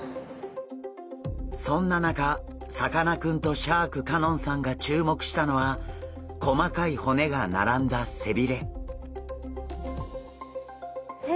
そんな中さかなクンとシャーク香音さんが注目したのは細かい骨が並んだ背鰭。